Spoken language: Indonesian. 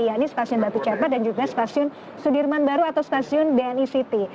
yakni stasiun batu cepa dan juga stasiun sudirman baru atau stasiun bni city